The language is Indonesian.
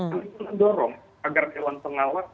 untuk mendorong agar dewan pengawas